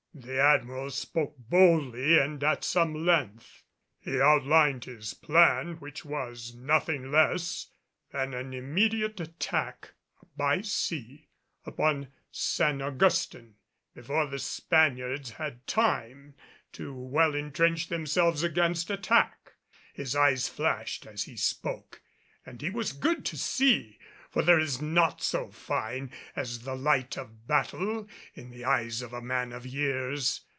The Admiral spoke boldly and at some length. He outlined his plan, which was nothing less than an immediate attack by sea upon San Augustin, before the Spaniards had time to well entrench themselves against attack. His eye flashed as he spoke and he was good to see, for there is naught so fine as the light of battle in the eyes of a man of years.